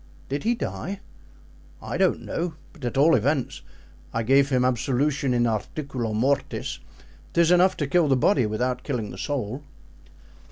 "Did he die?" "I don't know. But, at all events, I gave him absolution in articulo mortis. 'Tis enough to kill the body, without killing the soul."